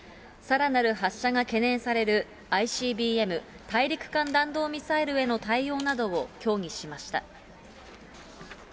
さらなる発射が懸念される、ＩＣＢＭ・大陸間弾道ミサイルへの対応などを協議しました。